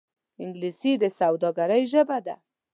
انګلیسي د سوداگرۍ ژبه ده